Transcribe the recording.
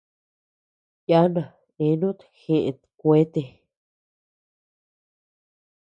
Yana eanut jeʼët kuete.